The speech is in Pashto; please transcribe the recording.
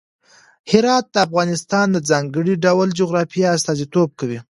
هرات د افغانستان د ځانګړي ډول جغرافیه استازیتوب کوي.